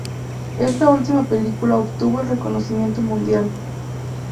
Esta última película obtuvo el reconocimiento mundial.